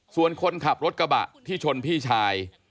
ส่วนคนขับรถกระบะที่ชนพี่ชาย